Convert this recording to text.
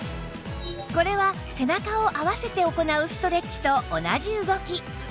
これは背中を合わせて行うストレッチと同じ動き